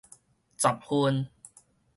十份